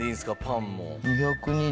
パンも。